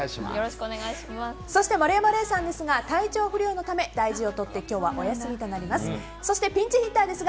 そして、丸山礼さんですが体調不良のため大事を取って今日はお休みとなります。